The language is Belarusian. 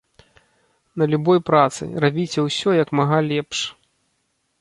На любой працы, рабіце ўсё, як мага лепш.